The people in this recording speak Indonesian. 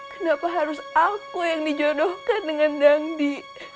kenapa harus aku yang dijodohkan dengan dangdi